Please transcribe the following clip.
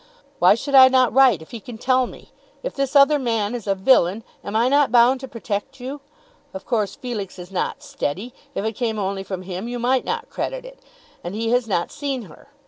Why should I not write if he can tell me? If this other man is a villain am I not bound to protect you? Of course Felix is not steady. If it came only from him you might not credit it. And he has not seen her.